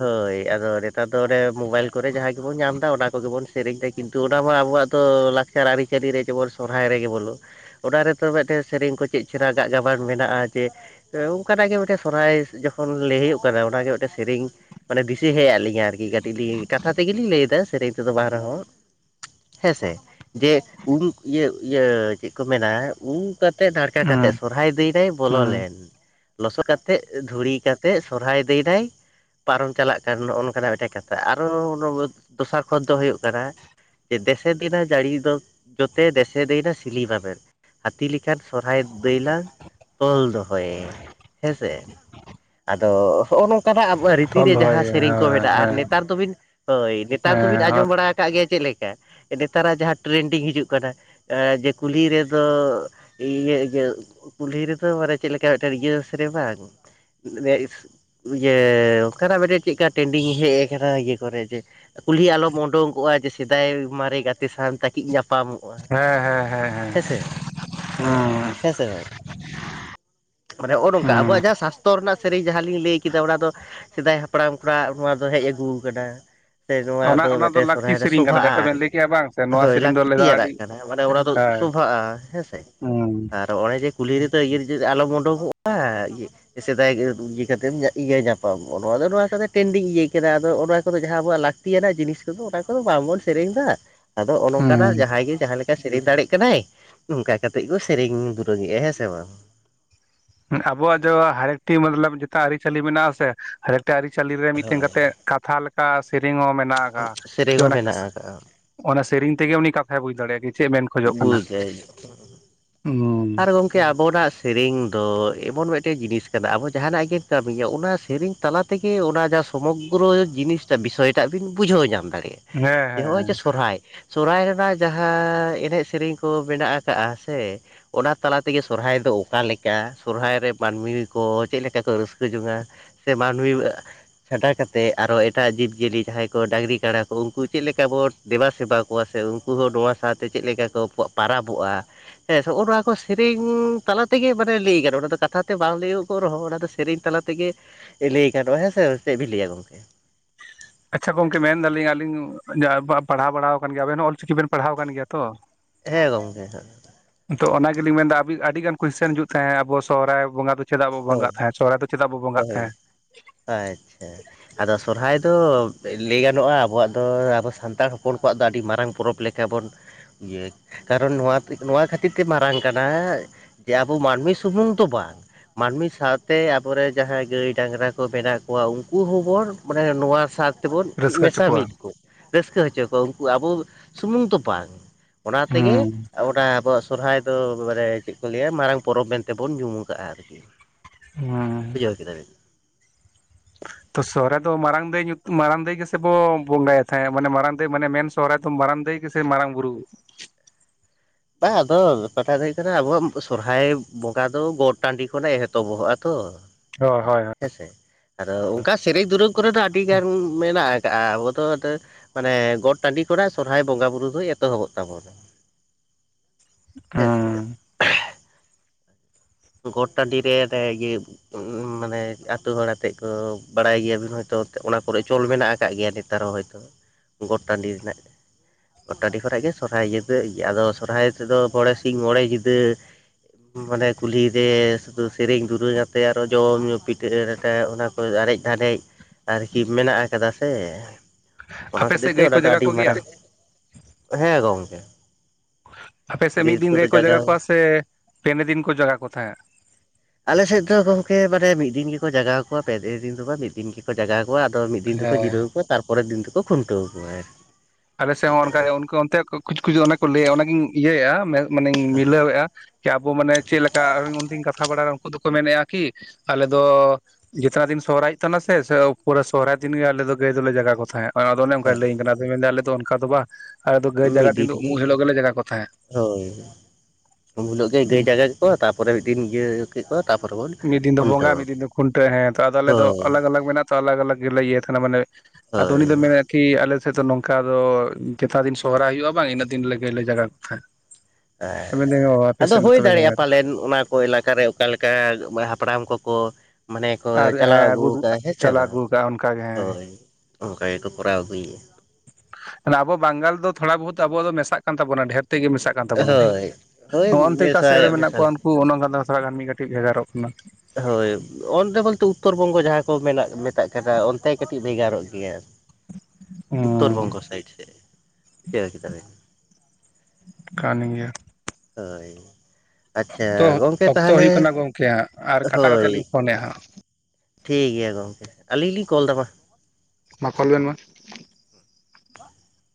[SPEAKER 2] ᱦᱳᱭ ᱟᱫᱚ ᱱᱮᱛᱟᱨ ᱫᱚ ᱚᱱᱮ ᱢᱳᱵᱟᱭᱤᱞ ᱠᱚᱨᱮ ᱡᱟᱦᱟᱸ ᱜᱮᱵᱚᱱ ᱧᱟᱢ ᱮᱫᱟ ᱚᱱᱟ ᱠᱚᱜᱮᱵᱚᱱ ᱥᱮᱨᱮᱧ ᱮᱫᱟ ᱠᱤᱱᱛᱩ ᱚᱱᱟ ᱢᱟ ᱟᱵᱚᱣᱟᱜ ᱛᱚ ᱞᱟᱠᱪᱟᱨ ᱟᱹᱨᱤᱪᱟᱹᱞᱤ ᱨᱮ ᱡᱮᱢᱚᱱ ᱥᱚᱨᱦᱟᱭ ᱨᱮᱜᱮ ᱵᱚᱞᱚ ᱚᱱᱟ ᱨᱮᱫᱚ ᱢᱤᱫᱴᱮᱱ ᱥᱮᱨᱮᱧ ᱠᱚ ᱪᱮᱫ ᱪᱮᱦᱨᱟ ᱜᱟᱜ ᱜᱟᱵᱟᱱ ᱢᱮᱱᱟᱜᱼᱟ ᱡᱮ ᱚᱱᱠᱟᱱᱟᱜ ᱜᱮ ᱢᱤᱫ ᱴᱮᱱ ᱥᱚᱨᱦᱟᱭ ᱡᱚᱠᱷᱚᱱ ᱞᱟᱹᱭ ᱦᱳᱭᱳᱜ ᱠᱟᱱᱟ ᱚᱱᱟᱜᱮ ᱢᱮᱫ ᱴᱮᱡ ᱥᱮᱨᱮᱧ ᱢᱟᱱᱮ ᱫᱤᱥᱟᱹ ᱦᱮᱡ ᱟᱜ ᱞᱤᱧᱟ ᱟᱨᱠᱤ ᱠᱟᱹᱴᱤᱡ ᱞᱤᱧ ᱠᱟᱛᱷᱟ ᱛᱮᱜᱮᱞᱤᱧ ᱞᱟᱹᱭᱫᱟ ᱥᱮᱨᱮᱧ ᱛᱮᱫᱚ ᱵᱟᱝ ᱨᱮᱦᱚᱸ ᱦᱮᱸᱥᱮ ᱡᱮ ᱩᱱ ᱤᱭᱟᱹ ᱤᱭᱟᱹ ᱪᱮᱫ ᱠᱚ ᱢᱮᱱᱟ? ᱩᱢ ᱩᱢ ᱠᱟᱛᱮᱫ ᱱᱟᱲᱠᱟ ᱠᱟᱛᱮᱫ
[SPEAKER 1] ᱦᱩᱸ
[SPEAKER 2] ᱥᱚᱨᱦᱟᱭ ᱫᱟᱹᱭᱱᱟᱭ ᱵᱚᱞᱚ
[SPEAKER 1] ᱦᱩᱸ
[SPEAKER 2] ᱞᱮᱱ ᱞᱚᱥᱚᱫ ᱠᱟᱛᱮᱜ ᱫᱷᱩᱲᱤ ᱠᱟᱛᱮᱜ ᱥᱚᱨᱦᱟᱭ ᱫᱟᱹᱭ ᱱᱟᱭ ᱯᱟᱨᱚᱢ ᱪᱟᱞᱟᱜ ᱠᱟᱱ ᱱᱚᱜ ᱚ ᱱᱚᱝᱠᱟᱱᱟᱜ ᱢᱤᱫ ᱴᱮᱱ ᱠᱟᱛᱷᱟ ᱟᱨᱦᱚᱸ ᱱᱚᱣᱟ ᱫᱚᱥᱟᱨ ᱠᱷᱚᱛ ᱫᱚ ᱦᱳᱭᱳᱜ ᱠᱟᱱᱟ ᱫᱮᱥᱮ ᱫᱟᱹᱭᱱᱟ ᱡᱟᱹᱲᱤ ᱫᱚ ᱡᱚᱛᱮ ᱫᱮᱥᱮ ᱫᱟᱹᱭᱱᱟ ᱥᱤᱞᱤ ᱵᱟᱵᱮᱨ ᱦᱟᱹᱛᱤ ᱞᱮᱠᱟᱱ ᱥᱚᱨᱦᱟᱭ ᱫᱟᱹᱭᱞᱟᱝ ᱛᱚᱞ ᱫᱚᱦᱚᱭᱮ ᱦᱮᱸᱥᱮ ᱟᱫᱚ ᱦᱚᱸᱜ-ᱚ ᱱᱚᱝᱠᱟᱱᱟᱜ ᱟᱵᱚᱣᱟᱜ ᱨᱤᱛᱤ
[SPEAKER 1] ᱛᱚᱞ
[SPEAKER 2] ᱨᱮ ᱡᱟᱦᱟᱸ
[SPEAKER 1] ᱫᱚᱦᱚᱭ
[SPEAKER 2] ᱥᱮᱨᱮᱧ ᱠᱚ
[SPEAKER 1] ᱦᱮᱸ
[SPEAKER 2] ᱢᱮᱱᱟᱜ-ᱟ ᱟᱨ
[SPEAKER 1] ᱦᱮᱸ
[SPEAKER 2] ᱱᱮᱛᱟᱨ ᱫᱚᱵᱤᱱ ᱦᱳᱭ ᱱᱮᱛᱟᱨ ᱫᱚᱵᱤᱱ
[SPEAKER 1] ᱦᱮᱸ
[SPEAKER 2] ᱟᱸᱡᱚᱢ ᱵᱟᱲᱟ ᱟᱠᱟᱜ ᱜᱮᱭᱟ ᱪᱮᱫ ᱞᱮᱠᱟ ᱱᱮᱛᱟᱨᱟᱜ ᱡᱟᱦᱟᱸ ᱴᱨᱮᱱᱰᱤᱝ ᱦᱤᱡᱩᱜ ᱠᱟᱱᱟ ᱡᱮ ᱠᱩᱞᱦᱤ ᱨᱮᱫᱚ ᱤᱭᱟᱹ ᱤᱭᱟᱹ ᱠᱩᱞᱦᱤ ᱨᱮᱫᱚ ᱢᱟᱱᱮ ᱪᱮᱫ ᱞᱮᱠᱟ ᱢᱤᱫᱴᱟᱝ ᱤᱭᱟᱹ ᱥᱮᱨᱮᱧ ᱵᱟᱝ ᱤᱭᱟᱹ ᱚᱱᱠᱟᱱᱟᱜ ᱢᱮᱫ ᱴᱮᱡ ᱪᱮᱫ ᱠᱟᱱ? ᱴᱮᱱᱰᱤᱝ ᱦᱮᱡ ᱟᱠᱟᱱᱟ ᱤᱭᱟᱹ ᱠᱚᱨᱮ ᱡᱮ ᱠᱩᱞᱦᱤ ᱟᱞᱚᱢ ᱳᱰᱳᱝ ᱠᱚᱜ ᱟ ᱡᱮ ᱥᱮᱫᱟᱭ ᱢᱟᱨᱮ ᱜᱟᱛᱮ ᱥᱟᱶ ᱛᱟᱹᱠᱤᱡ ᱧᱟᱯᱟᱢ
[SPEAKER 1] ᱦᱮᱸ ᱦᱮᱸ ᱦᱮᱸ ᱦᱮᱸ ᱦᱩᱸ
[SPEAKER 2] ᱦᱮᱸᱥᱮ ᱵᱟᱝ ᱢᱟᱱᱮ ᱦᱚᱜ ᱚ ᱱᱚᱝᱠᱟ
[SPEAKER 1] ᱦᱩᱸ
[SPEAKER 2] ᱟᱵᱚᱣᱟᱜ ᱡᱟᱦᱟᱸ ᱯᱟᱥᱛᱚᱨ ᱨᱮᱱᱟᱜ ᱥᱮᱨᱮᱧ ᱡᱟᱦᱟᱸ ᱞᱤᱧ ᱞᱟᱹᱭ ᱠᱮᱫᱟ ᱚᱱᱟ ᱫᱚ ᱥᱮᱫᱟᱭ ᱦᱟᱯᱲᱟᱢ ᱠᱷᱚᱱᱟᱜ ᱱᱚᱶᱟ ᱫᱚ ᱦᱮᱡ ᱟᱹᱜᱩ ᱟᱠᱟᱱᱟ ᱥᱮ ᱱᱚᱶᱟ ᱫᱚ
[SPEAKER 1] ᱚᱱᱟ ᱚᱱᱟ
[SPEAKER 2] ᱢᱮᱜᱴᱮᱡ
[SPEAKER 1] ᱞᱟᱹᱠᱛᱤ
[SPEAKER 2] ᱥᱚᱨᱦᱟᱭ ᱨᱮ
[SPEAKER 1] ᱥᱮᱨᱮᱧ ᱠᱟᱱᱟ
[SPEAKER 2] ᱥᱚᱵᱷᱟᱜ
[SPEAKER 1] ᱡᱮᱴᱟ
[SPEAKER 2] ᱟ
[SPEAKER 1] ᱵᱮᱱ ᱞᱟᱹᱭ ᱠᱮᱜᱼᱟ ᱵᱟᱝ ᱥᱮ ᱱᱚᱣᱟ
[SPEAKER 2] ᱦᱳᱭ
[SPEAKER 1] ᱥᱮᱨᱮᱧ ᱫᱚ ᱞᱟᱹᱭᱫᱟ
[SPEAKER 2] ᱞᱟᱹᱠᱛᱤᱭᱟᱱᱟᱜ
[SPEAKER 1] ᱟᱹᱰᱤ
[SPEAKER 2] ᱠᱟᱱᱟ ᱢᱟᱱᱮ ᱚᱱᱟ ᱫᱚ ᱥᱚᱵᱷᱟᱜ ᱟ ᱦᱮᱸᱥᱮ
[SPEAKER 1] ᱦᱚᱸ
[SPEAKER 2] ᱟᱨ ᱚᱱᱮ ᱡᱮ ᱠᱩᱞᱦᱤ ᱨᱮᱫᱚ [inaudible] ᱟᱞᱚᱢ ᱳᱰᱳᱧᱚᱜ -ᱟ ᱥᱮᱫᱟᱭ ᱤᱭᱟᱹ ᱠᱟᱛᱮᱢ ᱤᱭᱟᱹ ᱧᱟᱯᱟᱢᱚᱜ ᱟ ᱱᱚᱣᱟ ᱫᱚ ᱱᱚᱣᱟ ᱠᱚᱫᱚ ᱴᱨᱮᱱᱰᱤᱝ ᱤᱭᱟᱹ ᱠᱟᱱᱟ ᱟᱫᱚ ᱚᱱᱟ ᱠᱚᱫᱚ ᱡᱟᱦᱟᱸ ᱟᱵᱚᱣᱟᱜ ᱞᱟᱹᱠᱛᱤᱭᱟᱱᱟᱜ ᱡᱤᱱᱤᱥ ᱠᱚᱫᱚ ᱚᱱᱟ ᱠᱚᱫᱚ ᱵᱟᱝᱵᱚᱱ ᱥᱮᱨᱮᱧ ᱫᱟ ᱟᱫᱚ ᱦᱚᱜ ᱚ ᱱᱚᱝᱠᱟᱱᱟᱜ
[SPEAKER 1] ᱦᱩᱸ
[SPEAKER 2] ᱡᱟᱦᱟᱸᱭ ᱜᱮ ᱡᱟᱦᱟᱸ ᱞᱮᱠᱟ ᱥᱮᱨᱮᱧ ᱫᱟᱲᱮᱜ ᱠᱟᱱᱟᱭ ᱱᱚᱝᱠᱟ ᱠᱟᱛᱮᱜ ᱠᱚ ᱥᱮᱨᱮᱧ ᱫᱩᱨᱟᱹᱝ ᱮᱜ ᱟ ᱦᱮᱸᱥᱮ ᱵᱟᱝ
[SPEAKER 1] ᱟᱵᱚᱣᱟᱜ [inaudible] ᱢᱚᱛᱞᱚᱵᱽ ᱡᱚᱛᱚ ᱟᱹᱨᱤᱪᱟᱞᱤ ᱢᱮᱱᱟᱜ ᱟ ᱥᱮ ᱦᱟᱨᱮᱠ ᱴᱟᱜ ᱟᱹᱨᱤᱪᱟᱞᱤ ᱨᱮ ᱢᱤᱫ ᱴᱮᱱ
[SPEAKER 2] ᱦᱳᱭ
[SPEAKER 1] ᱠᱟᱛᱮ ᱠᱟᱛᱷᱟ ᱞᱮᱠᱟ ᱥᱮᱨᱮᱧ ᱦᱚᱸ ᱢᱮᱱᱟᱜ ᱟᱠᱟᱜ ᱟ
[SPEAKER 2] ᱥᱮᱨᱮᱧ
[SPEAKER 1] ᱠᱤ
[SPEAKER 2] ᱦᱚᱸ
[SPEAKER 1] ᱚᱱᱟ
[SPEAKER 2] ᱢᱮᱱᱟᱜ ᱟᱠᱟᱜᱼᱟ
[SPEAKER 1] ᱚᱱᱟ ᱥᱮᱨᱮᱧ ᱛᱮᱜᱮ ᱩᱱᱤ ᱠᱟᱛᱷᱟᱭ ᱵᱩᱡᱽ ᱫᱟᱲᱮᱭᱟᱜ ᱟ ᱠᱤ ᱪᱮᱜ ᱢᱮᱱ ᱠᱷᱚᱡᱚᱜ ᱠᱟᱱᱟ
[SPEAKER 2] ᱵᱩᱡᱟᱭ
[SPEAKER 1] ᱦᱩᱸ
[SPEAKER 2] ᱟᱨ ᱜᱚᱝᱠᱮ ᱛᱮ ᱟᱵᱚᱱᱟᱜ ᱥᱮᱨᱮᱧ ᱫᱚ ᱮᱢᱚᱱ ᱢᱮᱜᱴᱮᱡ ᱡᱤᱱᱤᱥ ᱠᱟᱱᱟ ᱟᱵᱚ ᱡᱟᱦᱟᱱᱟᱜ ᱜᱮ ᱠᱟᱹᱢᱤᱭᱟ ᱚᱱᱟ ᱥᱮᱨᱮᱧ ᱛᱟᱞᱟ ᱛᱮᱜᱮ ᱚᱱᱟ ᱡᱟ ᱥᱚᱢᱚᱜᱽᱜᱨᱚ ᱡᱤᱱᱤᱥᱴᱟᱜ ᱵᱤᱥᱚᱭᱴᱟᱜ ᱵᱤᱱ ᱵᱩᱡᱷᱟᱹᱣ ᱧᱟᱢ ᱫᱟᱲᱮᱭᱟᱜ
[SPEAKER 1] ᱦᱮᱸ
[SPEAKER 2] ᱟ ᱡᱮ ᱦᱚᱜ
[SPEAKER 1] ᱦᱮᱸ
[SPEAKER 2] ᱚᱭ ᱡᱮ ᱥᱚᱨᱦᱟᱭ ᱥᱚᱦᱚᱨᱟᱭ ᱨᱮᱱᱟᱜ ᱡᱟᱦᱟᱸ ᱮᱱᱮᱡ ᱥᱮᱨᱮᱧ ᱠᱚ ᱢᱮᱱᱟᱜ ᱟᱠᱟᱜ -ᱟ ᱥᱮ ᱚᱱᱟ ᱛᱟᱞᱟ ᱛᱮᱜᱮ ᱥᱚᱨᱦᱟᱭ ᱫᱚ ᱚᱠᱟ ᱞᱮᱠᱟ? ᱥᱚᱨᱦᱟᱭ ᱨᱮ ᱢᱟᱹᱱᱢᱤ ᱠᱚ ᱪᱮᱫ ᱞᱮᱠᱟ ᱠᱚ ᱨᱟᱹᱥᱠᱟᱹ ᱡᱚᱝ ᱟ? ᱥᱮ ᱢᱟᱹᱱᱢᱤ ᱪᱷᱟᱰᱟ ᱠᱟᱛᱮᱫ ᱟᱨᱚ ᱮᱴᱟᱜ ᱡᱤᱵᱽ ᱡᱤᱭᱟᱹᱞᱤ ᱡᱟᱦᱟᱸᱭ ᱠᱚ ᱰᱟᱹᱜᱝᱨᱤ ᱠᱟᱰᱟ ᱠᱚ ᱩᱱᱠᱩ ᱪᱮᱫ ᱞᱮᱠᱟ ᱵᱚᱱ? ᱫᱮᱵᱟ ᱥᱮᱵᱟ ᱠᱚᱣᱟ ᱥᱮ ᱩᱱᱠᱩ ᱦᱚᱸ ᱱᱚᱶᱟ ᱥᱟᱶᱛᱮ ᱪᱮᱫ ᱞᱮᱠᱟ ᱠᱚ ᱱᱚᱶᱟ ᱯᱟᱨᱟᱵᱚᱜᱼᱟ? ᱦᱮᱸᱜᱼᱚ ᱱᱚᱶᱟ ᱠᱚ ᱥᱮᱨᱮᱧ ᱛᱟᱞᱟ ᱛᱮᱜᱮ ᱢᱟᱱᱮ ᱞᱟᱹᱭ ᱜᱟᱱᱚᱜ ᱚᱱᱟ ᱫᱚ ᱠᱟᱛᱷᱟ ᱛᱮ ᱵᱟᱝ ᱞᱟᱹᱭᱚᱜ ᱨᱮᱦᱚᱸ ᱚᱱᱟ ᱫᱚ ᱥᱮᱨᱮᱧ ᱛᱟᱞᱟ ᱛᱮᱜᱮ ᱞᱟᱹᱭ ᱟᱠᱟᱟᱱᱚᱜᱼᱟ ᱦᱮᱸ ᱥᱮ ᱪᱮᱫ ᱵᱤᱱ ᱞᱟᱹᱭᱟ ᱜᱚᱝᱠᱮ
[SPEAKER 1] [unintelligible] ᱟᱪᱷᱟ ᱜᱚᱝᱠᱮ ᱢᱮᱱᱫᱟᱞᱤᱧ ᱟᱞᱤᱧ ᱯᱟᱲᱦᱟᱣ ᱵᱟᱲᱟᱣ ᱟᱠᱟᱱ ᱜᱮᱭᱟ ᱟᱵᱮᱱ ᱦᱚᱸ ᱚᱞᱪᱤᱠᱤ ᱵᱤᱱ ᱯᱟᱲᱦᱟᱣ ᱟᱠᱟᱱ ᱜᱮᱭᱟ ᱛᱚ
[SPEAKER 2] ᱦᱮᱸ ᱜᱚᱝᱠᱮ ᱦᱮᱸ
[SPEAKER 1] ᱛᱚ ᱚᱱᱟᱜᱞᱤᱧ ᱢᱮᱱ ᱮᱫᱟ ᱟᱹᱰᱤ ᱜᱟᱱ ᱠᱩᱥᱮᱱ ᱦᱤᱡᱩᱜ ᱛᱟᱦᱮᱸ ᱟᱵ ᱥᱚᱦᱚᱨᱟᱭ ᱵᱚᱸᱜᱟ ᱫᱚ ᱪᱮᱫᱟᱜ ᱵᱚ
[SPEAKER 2] ᱦᱳᱭ
[SPEAKER 1] ᱵᱚᱝᱟᱜ ᱛᱟᱦᱮᱸᱜ ᱥᱚᱨᱦᱟᱭ ᱫᱚ ᱪᱮᱫᱟᱜ ᱵᱚ ᱵᱚᱝᱟᱜ ᱛᱟᱦᱮᱸᱜ?
[SPEAKER 2] ᱦᱮᱭ ᱟᱪᱷᱟ ᱟᱫᱚ ᱥᱚᱨᱦᱟᱭ ᱫᱚ ᱞᱟᱹᱭ ᱜᱟᱱᱚᱜᱼᱟ ᱟᱵᱚᱣᱟᱜ ᱫᱚ ᱟᱵᱚ ᱥᱟᱱᱛᱟᱲ ᱦᱚᱯᱚᱱ ᱠᱚᱣᱟᱜ ᱫᱚ ᱟᱹᱰᱤ ᱢᱟᱨᱟᱝ ᱯᱚᱨᱚᱵᱽ ᱞᱮᱠᱟ ᱪᱮᱫ ᱵᱚᱱ ᱤᱭᱟᱹ ᱠᱟᱨᱚᱱ ᱱᱚᱶᱟ ᱱᱚᱶᱟ ᱠᱷᱟᱹᱛᱤᱨ ᱛᱮ ᱢᱟᱨᱟᱝ ᱠᱟᱱᱟ? ᱡᱮ ᱟᱵᱚ ᱢᱟᱹᱱᱢᱤ ᱥᱩᱢᱩᱝ ᱫᱚ ᱵᱟᱝ ᱢᱟᱹᱱᱢᱤ ᱥᱟᱶᱛᱮ ᱟᱵᱚᱨᱮᱱ ᱡᱟᱦᱟᱸᱭ ᱜᱟᱹᱭ ᱰᱟᱝᱜᱨᱟ ᱠᱚ ᱢᱮᱱᱟᱜ ᱠᱚᱣᱟ ᱩᱱᱠᱩ ᱦᱚᱸᱵᱚᱱ ᱢᱟᱱᱮ ᱱᱚᱶᱟ ᱥᱟᱠ ᱛᱮᱵᱚᱱ
[SPEAKER 1] ᱨᱟᱹᱥᱠᱟᱹ ᱦᱚᱪᱚ
[SPEAKER 2] ᱢᱮᱥᱟ
[SPEAKER 1] ᱠᱚᱣᱟ
[SPEAKER 2] ᱢᱤᱫ ᱠᱚ ᱨᱟᱹᱥᱠᱟᱹ ᱦᱚᱪᱚ ᱠᱚᱣᱟ ᱩᱱᱠᱩ ᱟᱵᱚ ᱥᱩᱢᱩᱝ ᱫᱚ ᱵᱟᱝ ᱚᱱᱟ ᱛᱮᱜᱮ
[SPEAKER 1] ᱦᱮᱸ
[SPEAKER 2] ᱚᱱᱟ ᱟᱵᱚ ᱥᱚᱨᱦᱟᱭ ᱫᱚ ᱝ ᱧᱩᱢ ᱟᱠᱟᱜᱼᱟ ᱟᱨᱠᱤ
[SPEAKER 1] [inaudible] ᱦᱮᱸ
[SPEAKER 2] [unintelligible]
[SPEAKER 1] ᱛᱚ ᱥᱚᱦᱚᱨᱟᱭ ᱫᱚ ᱢᱟᱨᱟᱝ ᱫᱚ ᱢᱟᱨᱟᱝ ᱫ ᱜᱮᱥᱮ ᱵᱚ ᱵᱚᱸᱜᱟᱭᱮᱫ ᱛᱟᱦᱮᱸᱫ ᱢᱟᱱᱮ ᱢᱟᱨᱟᱝ ᱫᱟᱱᱮ ᱢᱮᱱ ᱥᱚᱦᱚᱨᱟᱭ ᱛ ᱢᱟᱨᱟᱝ ᱫᱟᱹᱭ ᱜᱮᱥᱮ ᱢᱟᱨᱟᱝ ᱵᱩᱨᱩ
[SPEAKER 2] ᱵᱟᱝ ᱟᱫᱚ ᱠᱟᱛᱷᱟ ᱫᱚ ᱦᱩᱭᱩᱜ ᱠᱟᱱᱟ ᱟᱵᱚᱣᱟᱜ ᱥᱚᱦᱚᱨᱟᱭ ᱵᱚᱸᱜᱟ ᱫᱚ ᱜᱚᱴ ᱴᱟᱺᱰᱤ ᱠᱷᱚᱱᱱᱟᱜ ᱮᱛᱚᱵᱚᱦᱚᱜᱼᱟ ᱛᱚ
[SPEAKER 1] ᱦᱳ ᱦᱚᱭ
[SPEAKER 2] ᱦᱮᱸᱥᱮ ᱟᱫᱚ ᱚᱱᱠᱟ ᱥᱮᱨᱮᱧ ᱫᱩᱨᱟᱹᱝ ᱠᱚᱨᱮ ᱫᱚ ᱟᱹᱰᱤ ᱜᱟᱱ ᱢᱮᱱᱟᱜ ᱟᱠᱟᱜᱼᱟ ᱟᱵᱚ ᱫᱚ ᱢᱟᱱᱮ ᱜᱚᱴ ᱴᱟᱺᱰᱤ ᱠᱚᱨᱮ ᱥᱚᱨᱦᱟᱭ ᱵᱚᱸᱜᱟ ᱵᱩᱨᱩ ᱫᱚ ᱮᱛᱚᱦᱚᱵᱚᱜ ᱛᱟᱵᱚᱱᱟ᱾
[SPEAKER 1] [unintelligible]
[SPEAKER 2] ᱦᱮᱸ ᱥᱮ ᱜᱚᱴ ᱴᱟᱺᱰᱤ ᱨᱮ ᱤᱭᱟᱹ ᱢᱟᱱᱮ ᱟᱹᱛᱩ ᱦᱚᱲ ᱟᱛᱮᱮᱫ ᱠᱚ ᱵᱟᱰᱟᱭ ᱜᱮᱭᱟ ᱵᱤᱱ ᱦᱚᱭᱛᱳ ᱚᱱᱟ ᱠᱚᱨᱜ ᱪᱚᱞ ᱢᱮᱱᱟᱜ ᱟᱠᱟᱫ ᱜᱮᱭᱟ ᱱᱤᱛᱚᱜ ᱱᱮᱛᱟᱨᱚ ᱦᱚᱭᱛᱚ ᱜᱚᱴ ᱴᱟᱺᱰᱤ ᱨᱮᱱᱟᱜ ᱜᱚᱴ ᱴᱟᱺᱰᱤ ᱠᱷᱚᱡ ᱜᱮ ᱥᱚᱨᱦᱟᱭ ᱡᱩᱫᱟᱹᱜ ᱜᱮ ᱟᱫᱚ ᱥᱚᱨᱚᱦᱟᱭ ᱛᱮᱫᱚ ᱢᱚᱬᱮ ᱥᱤᱧ ᱢᱚᱬᱮ ᱧᱤᱫᱟᱹ ᱢᱟᱱᱮ ᱠᱩᱞᱦᱤ ᱨᱮ ᱥᱩᱫ ᱥᱮᱨᱮᱧ ᱫᱩᱨᱟᱹᱝ ᱟᱛᱮᱫ ᱟᱨᱚ ᱡᱚᱢᱼᱧᱩ ᱯᱤᱴᱷᱟᱹ ᱞᱟᱴ ᱚᱱᱟ ᱠᱚ ᱟᱱᱮᱡ ᱫᱷᱟᱱᱮᱡ ᱟᱨᱠᱤ ᱢᱮᱱᱟᱜ ᱠᱟᱫᱟ ᱥᱮ ᱚᱱᱟ
[SPEAKER 1] ᱟᱯᱮ
[SPEAKER 2] ᱠᱷᱟᱹᱛᱤᱨ
[SPEAKER 1] ᱥᱮᱫ
[SPEAKER 2] ᱛᱮ
[SPEAKER 1] ᱜᱟᱹᱭ ᱠᱚ
[SPEAKER 2] ᱚᱱᱟ ᱫᱚ
[SPEAKER 1] ᱡᱟᱜᱟ
[SPEAKER 2] ᱟᱹᱰᱤ
[SPEAKER 1] ᱠᱚ ᱜᱮᱭᱟ
[SPEAKER 2] ᱢᱟᱨᱟᱝ ᱦᱮᱸ ᱜᱚᱝᱠᱮ
[SPEAKER 1] ᱟᱯᱮ ᱥᱮᱫ
[SPEAKER 2] ᱜᱟᱹᱭ
[SPEAKER 1] ᱢᱤᱫ ᱫᱤᱱ ᱜ
[SPEAKER 2] ᱠᱚᱫᱚ
[SPEAKER 1] ᱠᱚ ᱡᱟᱜᱟ
[SPEAKER 2] ᱡᱟᱜᱟᱣ
[SPEAKER 1] ᱠᱚᱣᱟ ᱥᱮ ᱯᱮ ᱫᱤᱱ ᱠᱚ ᱡᱟᱜᱟ ᱠᱚ ᱛᱟᱦᱮᱸᱫ?
[SPEAKER 2] ᱟᱞᱮ ᱥᱮᱫ ᱫᱚ ᱜᱚᱝᱠᱮ ᱢᱟᱱᱮ ᱢᱤᱫ ᱫᱤᱱ ᱜᱮᱠᱚ ᱡᱟᱜᱟᱣ ᱟᱠ ᱠᱚᱣᱟ ᱯᱮ ᱯᱮ ᱫᱤᱱ ᱫᱚ ᱵᱟᱝ ᱢᱤᱫ ᱫᱤᱱ ᱜᱮ ᱡᱟᱜᱟᱣ ᱠᱚᱣᱟ ᱟᱫᱚ ᱢᱤᱫ ᱫᱤᱱ ᱛᱮᱠᱚ
[SPEAKER 1] ᱦᱮᱸ
[SPEAKER 2] ᱡᱤᱨᱟᱹᱣ ᱠᱚᱣᱟ ᱛᱟᱨᱯᱚᱨᱮᱨ ᱫᱤᱱ ᱫᱚᱠᱚ ᱠᱷᱩᱱᱴᱟᱹᱣ ᱠᱚᱣᱟ ᱟᱨ
[SPEAKER 1] ᱟᱞᱮ ᱥᱮᱫ ᱦᱚᱸ ᱚᱱᱠᱟ ᱩᱱᱠᱩ ᱚᱱᱛᱮ ᱠᱩᱪ ᱠᱩᱪ ᱚᱱᱟ ᱠᱚ ᱞᱟᱹᱭᱮᱫᱼᱟ ᱚᱱᱟᱜᱤᱧ ᱤᱭᱟᱹᱭᱮᱫᱼᱟ ᱢᱟᱱᱮᱧ ᱢᱤᱞᱟᱹᱣᱮᱫᱼᱟ ᱟᱵᱚ ᱢᱟᱱᱮ ᱪᱮᱫ ᱞᱮᱠᱟ ᱚᱱᱛᱮᱧ ᱠᱟᱛᱷᱟ ᱵᱟᱲᱟᱭ ᱩᱱᱠᱩ ᱫᱚᱠᱚ ᱢᱮᱱᱮᱫᱼᱟ ᱠᱤ ᱟᱞᱮ ᱫᱚ ᱡᱚᱛᱚ ᱫᱤᱱ ᱥᱚᱦᱚᱨᱟᱭ ᱚᱜᱛᱚ ᱯᱩᱨᱟᱹ ᱥᱚᱦᱚᱨᱟᱭ ᱫᱤᱱᱜᱮ ᱟᱞᱮᱫ ᱫᱚ ᱜᱟᱹᱭ ᱫᱚᱞᱮ ᱡᱟᱜᱟ ᱠᱚ ᱛᱟᱦᱮᱸᱫ ᱟᱫᱚ ᱚᱱᱮ ᱚᱱᱠᱟᱭ
[SPEAKER 2] ᱦᱮᱸ
[SPEAKER 1] ᱞᱟᱹᱭᱟᱹᱧ ᱠᱟᱱᱟ ᱢᱮᱱᱫᱟ ᱟᱞᱮ ᱫᱚ ᱚᱱᱠᱟ ᱫᱚ ᱵᱟᱝ ᱟᱞᱮ ᱫᱚ ᱜᱟᱹᱭ ᱡᱟᱜᱟ
[SPEAKER 2] ᱢᱤᱫ
[SPEAKER 1] ᱫᱤᱱ ᱫᱚ
[SPEAKER 2] ᱜᱮ
[SPEAKER 1] ᱩᱢᱩᱜ ᱦᱤᱞᱳᱜ ᱜᱮᱞᱮ ᱡᱟᱜᱟᱣ ᱠᱚ ᱛᱟᱦᱮᱫ
[SPEAKER 2] ᱦᱳᱭ ᱚ ᱛᱟᱯᱚᱨᱮ ᱢᱤᱫ ᱫᱤᱱ ᱤᱭᱟᱹ ᱪᱮᱫ ᱠᱚ ᱛᱟᱯᱚᱨᱵᱚᱱ
[SPEAKER 1] ᱢᱤᱫ ᱫᱤᱱ ᱫᱚ ᱵᱚᱸᱜᱟ ᱢᱤᱫ ᱫᱤᱱ ᱫᱚ ᱠᱷᱩᱱᱴᱟᱹ ᱦᱮᱸ ᱟᱫᱚ ᱟᱞᱮ ᱫᱚ
[SPEAKER 2] ᱦᱳᱭ
[SPEAKER 1] ᱟᱞᱟᱜ ᱟᱞᱟᱜ ᱢᱮᱱᱟᱜ ᱛ ᱟᱞᱟᱜ ᱟᱞᱟᱜ ᱜᱮᱞᱮ ᱤᱭᱟᱹ ᱛᱟᱦᱮᱸᱱᱟ ᱢᱟᱱᱮ ᱟᱫᱚ
[SPEAKER 2] ᱦᱳᱭ
[SPEAKER 1] ᱩᱱᱤ ᱫᱚ ᱢᱮᱱᱮᱫ ᱠᱤ ᱟᱞᱮᱥᱮᱫ ᱫᱚ ᱱᱚᱝᱠᱟ ᱫᱚ ᱪᱮᱛᱟ ᱫᱤᱱ ᱥᱚᱦᱚᱨᱟᱭ ᱦᱩᱭᱩᱜᱼᱟ ᱵᱟᱝ ᱤᱱᱟᱹᱜ ᱫᱤᱱ ᱨᱮᱞ ᱞᱮ ᱡᱟᱜᱟ ᱠᱚ ᱛᱟᱦᱮᱸ [unintelligible]
[SPEAKER 2] ᱦᱮᱸ ᱟᱫᱚ ᱦᱩᱭ ᱫᱟᱲᱮᱭᱟᱜᱼᱟ ᱯᱟᱞᱮᱱ ᱚᱱᱟ ᱚᱠᱚᱭ ᱮᱞᱟᱠᱟᱨᱮ ᱚᱠᱟ ᱞᱮᱠᱟ ᱦᱟᱯᱲᱟᱢ ᱠᱚᱠᱚ ᱢᱟᱱᱮ ᱠᱚ
[SPEAKER 1] ᱟᱨ
[SPEAKER 2] ᱪᱟᱞᱟᱣ
[SPEAKER 1] ᱡᱟᱦᱟᱸᱭ
[SPEAKER 2] ᱟᱹᱜᱩ ᱟᱠᱟᱫᱟ ᱦᱮᱸ ᱥᱮ
[SPEAKER 1] ᱪᱟᱞᱟᱣ
[SPEAKER 2] ᱵᱟᱝ
[SPEAKER 1] ᱟᱹᱜᱩ ᱠᱟᱜᱼᱟ ᱚᱱᱠᱟᱜᱮ
[SPEAKER 2] ᱦᱳᱭ
[SPEAKER 1] ᱦᱮᱸ
[SPEAKER 2] ᱚᱱᱠᱟ ᱜᱮᱠᱚ ᱠᱚᱨᱟᱣ ᱟᱹᱜᱩᱭᱮᱭᱟ
[SPEAKER 1] ᱟᱵᱚ ᱵᱟᱝᱜᱟᱞ ᱫᱚ ᱛᱷᱚᱲᱟ ᱵᱚᱦᱩᱛ ᱟᱵᱚ ᱫᱚ ᱢᱮᱥᱟᱜ ᱛᱟᱵᱚᱱᱟ ᱰᱷᱮᱨ ᱛᱮᱜᱮ ᱢᱮᱥᱟᱜ ᱠᱟᱱᱟ ᱛᱟᱵᱚᱱᱟ
[SPEAKER 2] ᱦᱳᱭ ᱦᱳᱭ
[SPEAKER 1] ᱱᱚᱜᱚᱱᱛᱮ ᱚᱠᱟ
[SPEAKER 2] ᱢᱮᱥᱟ
[SPEAKER 1] ᱥᱮᱫ ᱨᱮ ᱢᱮᱱᱟᱜ
[SPEAKER 2] ᱢᱮᱥᱟᱞ
[SPEAKER 1] ᱠᱚᱣᱟ ᱩᱱᱠᱩ ᱚᱱᱮ ᱚᱱᱠᱟ ᱛᱷᱚᱲᱟ ᱜᱟᱱ ᱠᱟᱹᱴᱤᱡ ᱵᱷᱮᱜᱟᱨᱚᱜ ᱠᱟᱱᱟ᱾
[SPEAKER 2] ᱦᱳᱭ ᱚᱸᱰᱮ ᱵᱚᱞᱛᱮ ᱩᱛᱛᱚᱨ ᱵᱚᱝᱜᱚ ᱡᱟᱦᱟᱸ ᱠᱚ ᱢᱮᱱᱟᱜ ᱢᱮᱛᱟᱜ ᱠᱟᱱᱟ ᱚᱱᱛᱮ ᱫᱚ ᱠᱟᱹᱴᱤᱡ ᱵᱷᱮᱜᱟᱨᱚᱜ ᱜᱮᱭᱟ ᱩᱛᱚᱨ
[SPEAKER 1] ᱦᱩᱸ
[SPEAKER 2] ᱵᱚᱝᱜᱚ ᱥᱟᱭᱤᱰ ᱥᱮ ᱡᱟᱭᱜᱟ ᱠᱮᱫ
[SPEAKER 1] ᱠᱟᱱ ᱜᱮᱭᱟ
[SPEAKER 2] ᱦᱳᱭ ᱟᱪᱷᱟ
[SPEAKER 1] ᱛᱚ
[SPEAKER 2] ᱜᱚᱝᱠᱮ
[SPEAKER 1] ᱚᱠᱛᱚ
[SPEAKER 2] ᱛᱟᱦᱚᱞᱮ
[SPEAKER 1] ᱦᱩᱭᱩᱜ ᱠᱟᱱᱟ ᱜᱚᱢᱠᱮ ᱦᱟᱸᱜ ᱟᱨ ᱠᱟᱴᱟ ᱠᱟᱛᱮᱫ
[SPEAKER 2] ᱦᱳᱭ
[SPEAKER 1] ᱞᱤᱧ ᱯᱷᱳᱱᱮᱫᱼᱟ ᱦᱟᱸᱜ
[SPEAKER 2] ᱴᱷᱤᱠ ᱜᱮᱭᱟ ᱜᱚᱢᱠᱮ ᱟᱹᱞᱤᱧ ᱞᱤᱧ ᱠᱚᱞ ᱫᱟ-ᱢᱟ᱾
[SPEAKER 1] ᱢᱟ-ᱠᱚᱞ ᱵᱮᱱ ᱢᱟ
[SPEAKER 2] [inaudible]